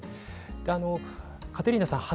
カテリーナさん